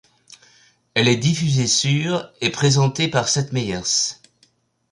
Elle est diffusée sur et présentée par Seth Meyers.